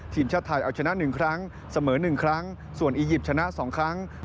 ทีมชาติไทยเอาชนะ๑ครั้งเสมอ๑ครั้งส่วนอียิปต์ชนะ๒ครั้ง